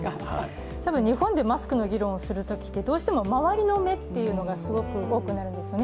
多分日本でマスクの議論をするときってどうしても周りの目って多くなるんですよね。